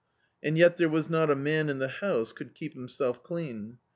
And yet there was not a man in the house could keep himself clean.